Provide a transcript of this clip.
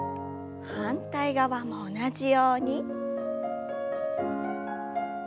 反対側も同じように。